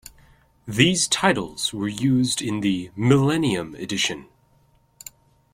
These titles were used in the "Millennium edition".